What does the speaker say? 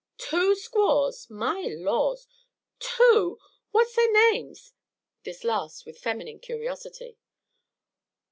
"Two squaws! My laws! Two what's their names?" This last with feminine curiosity.